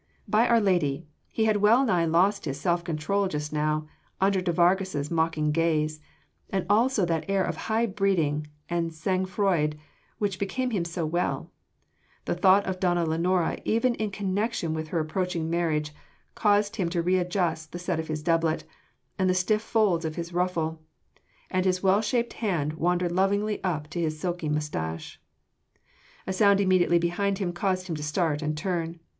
By our Lady! he had well nigh lost his self control just now under de Vargas’ mocking gaze, and also that air of high breeding and sang froid which became him so well: the thought of donna Lenora even in connection with her approaching marriage caused him to readjust the set of his doublet and the stiff folds of his ruffle, and his well shaped hand wandered lovingly up to his silky moustache. A sound immediately behind him caused him to start and to turn.